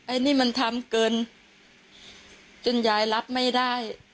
อันนี้มันทำเกินจนยายรับไม่ได้